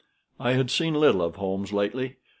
I had seen little of Holmes lately.